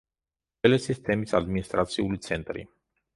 ველესის თემის ადმინისტრაციული ცენტრი.